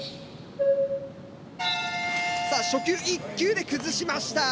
さあ初球１球で崩しました